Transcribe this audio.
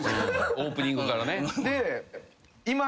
オープニングからね。